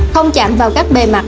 không chạm vào các bề mặt